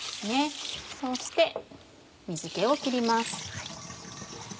そして水気を切ります。